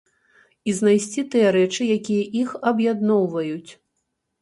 І знайсці тыя рэчы, якія іх аб'ядноўваюць.